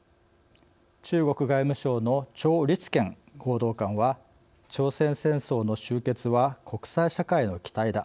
中国外務省の趙立堅報道官は「朝鮮戦争の終結は国際社会の期待だ。